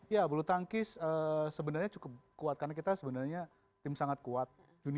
ya bulu tangkis sebenarnya cukup kuat karena kita sebenarnya tim sangat kuat